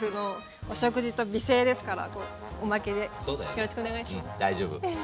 よろしくお願いします。